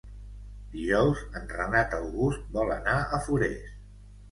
Dijous en Renat August vol anar a Forès.